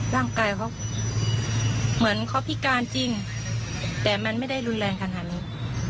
ร่างกายเขาเหมือนเขาพิการจริงแต่มันไม่ได้รุนแรงขนาดนี้